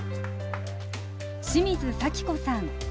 清水咲子さん